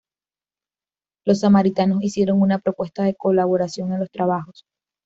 Los samaritanos hicieron una propuesta de colaboración en los trabajos.